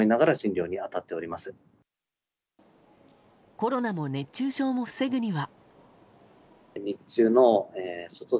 コロナも熱中症も防ぐには。